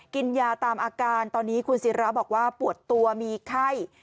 กินยาตามอาการตอนนี้คุณศิราบอกว่าปวดตัวมีไข้